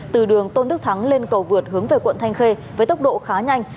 từ đường tôn đức thắng lên cầu vượt hướng về quận thanh khê với tốc độ khá nhanh